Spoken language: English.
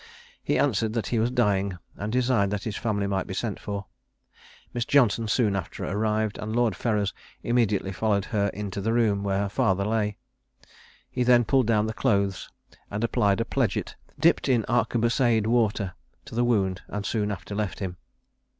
He answered that he was dying, and desired that his family might be sent for. Miss Johnson soon after arrived, and Lord Ferrers immediately followed her into the room where her father lay. He then pulled down the clothes, and applied a pledget, dipped in arquebusade water, to the wound, and soon after left him.